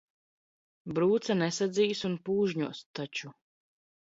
Brūce nesadzīs un pūžņos taču.